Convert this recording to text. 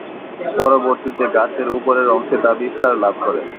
পরবর্তীতে গাছের উপরের অংশে তা বিস্তার লাভ করে।